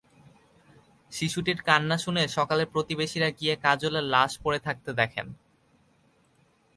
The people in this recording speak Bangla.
শিশুটির কান্না শুনে সকালে প্রতিবেশীরা গিয়ে কাজলের লাশ পড়ে থাকতে দেখেন।